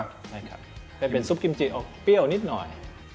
ใช่ครับแต่เป็นซุปกิมจิออกเปรี้ยวนิดหน่อย